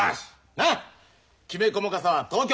なっきめ細かさは東京。